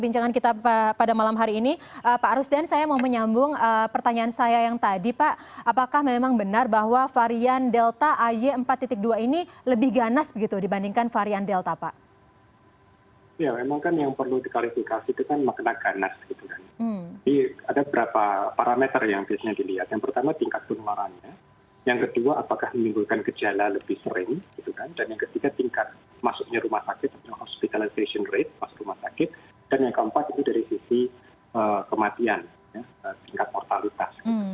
jadi ada beberapa parameter yang biasanya dilihat yang pertama tingkat penularannya yang kedua apakah menimbulkan gejala lebih sering dan yang ketiga tingkat masuknya rumah sakit atau hospitalization rate masuk rumah sakit dan yang keempat itu dari sisi kematian tingkat mortalitas